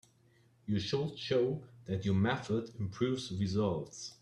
You should show that your method improves results.